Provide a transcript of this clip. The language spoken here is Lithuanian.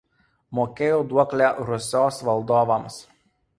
Mokėjo duoklę Rusios valdovams.